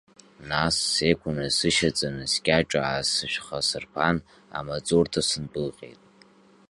Нас, сеиқәа насышьаҵаны, скьаҿ аасышәхасырԥан, амаҵурҭа сындәылҟьеит.